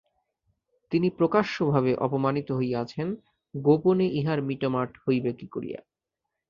তিনি প্রকাশ্যভাবে অপমানিত হইয়াছেন, গোপনে ইহার মিটমাট হইবে কী করিয়া।